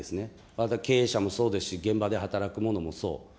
また経営者もそうですし、現場で働く者もそう。